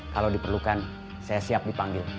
kalau diperlukan saya siap dipanggil